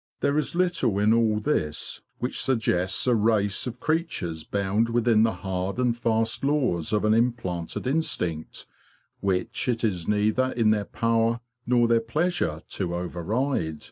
: There is little in all this which suggests a race of creatures bound within the hard and fast laws of an implanted instinct, which it is neither in their power nor their pleasure to override.